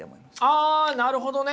あなるほどね！